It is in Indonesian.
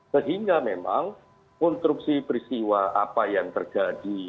sehingga memang konstruksi peristiwa apa yang terjadi